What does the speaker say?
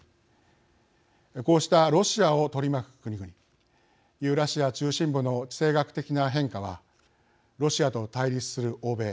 こうしたロシアを取り巻く国々ユーラシア中心部の地政学的な変化はロシアと対立する欧米